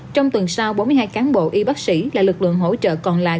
trong tuần sau bốn mươi hai cán bộ y bác sĩ là lực lượng hỗ trợ còn lại